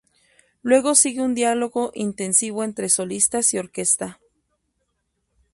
Luego sigue un diálogo intensivo entre solistas y orquesta.